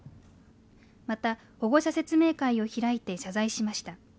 また、保護者説明会を開いて謝罪しました。